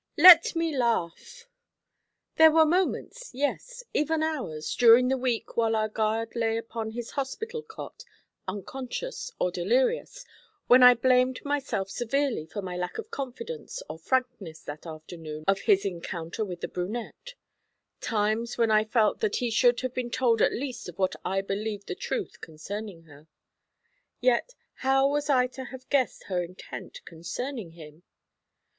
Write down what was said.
'LET ME LAUGH!' There were moments, yes, even hours, during the week while our guard lay upon his hospital cot unconscious or delirious, when I blamed myself severely for my lack of confidence or frankness that afternoon of his encounter with the brunette; times when I felt that he should have been told at least what I believed was the truth concerning her. Yet, how was I to have guessed her intent concerning him?